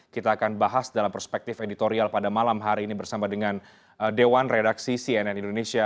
kita akan bahas dalam perspektif editorial pada malam hari ini bersama dengan dewan redaksi cnn indonesia